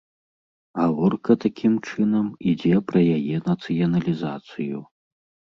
Гаворка, такім чынам, ідзе пра яе нацыяналізацыю.